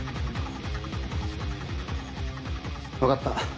分かった。